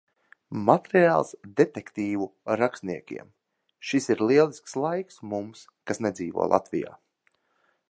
Materiāls detektīvu rakstniekiem. Šis ir lielisks laiks mums, kas nedzīvo Latvijā.